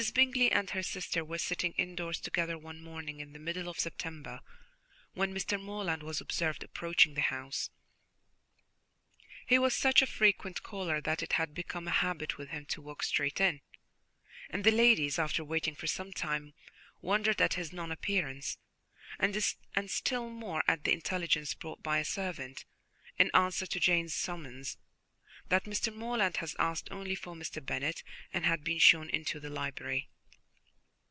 Bingley and her sister were sitting indoors together one morning in the middle of September, when Mr. Morland was observed approaching the house. He was such a frequent caller that it had become a habit with him to walk straight in, and the ladies, after waiting for some time, wondered at his non appearance, and still more at the intelligence brought by a servant, in answer to Jane's summons, that Mr. Morland had asked only for Mr. Bennet, and had been shown into the library.